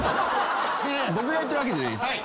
僕が言ってるわけじゃないです。